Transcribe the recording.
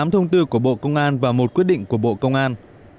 một mươi tám thông tư của bộ công an và một quyết định của bộ công an